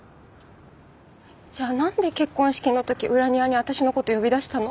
じゃあなんで結婚式の時裏庭に私の事呼び出したの？